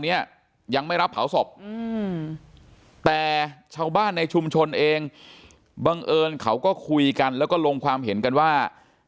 เนี่ยยังไม่รับเผาศพแต่ชาวบ้านในชุมชนเองบังเอิญเขาก็คุยกันแล้วก็ลงความเห็นกันว่า